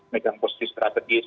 megang posisi strategis